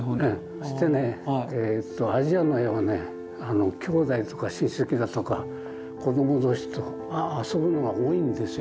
そしてねアジアの絵はねきょうだいとか親戚だとか子ども同士と遊ぶのが多いんですよ。